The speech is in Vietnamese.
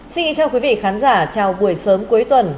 xin chào quý vị khán giả chào buổi sớm cuối tuần